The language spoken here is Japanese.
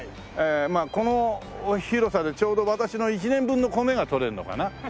まあこの広さでちょうど私の１年分の米がとれるのかな？